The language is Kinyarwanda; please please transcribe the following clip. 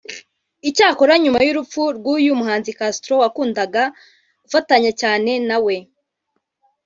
Icyakora nyuma y’urupfu rw’uyu muhanzi Castro wakundaga gufatanya cyane na we